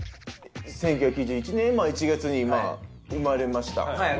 １９９１年１月に生まれました。